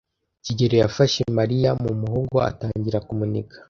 kigeli yafashe Mariya mu muhogo atangira kumuniga.